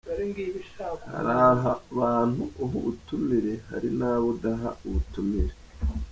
Hari abantu uha ubutumire hari n’abo udaha ubutumire.